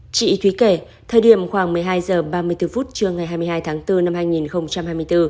chị thúy kể thời điểm khoảng một mươi hai h ba mươi bốn trưa ngày hai mươi hai tháng bốn năm hai nghìn hai mươi bốn